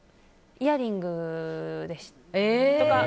イヤリングでしたね。